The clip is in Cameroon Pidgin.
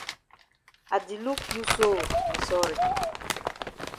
I di look you so di sorry.